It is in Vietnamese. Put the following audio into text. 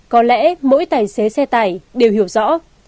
có lẽ mỗi tài xế xe tải đều hiểu rõ